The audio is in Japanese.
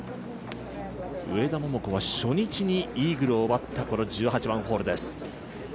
上田桃子は初日にイーグルを奪ったこの１８番ホールです。